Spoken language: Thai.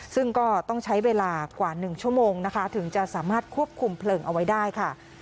ซึ่งก็ต้องใช้เวลากว่า๑ชั่วโมงนะคะถึงจะสามารถควบคุมเพลิงเอาไว้ได้ค่ะ